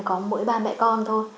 có mỗi ba mẹ con thôi